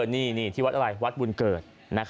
นี่ที่วัดอะไรวัดบุญเกิด